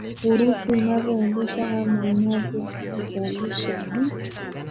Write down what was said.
urusi inavyoendesha ama inavyo zalisha nu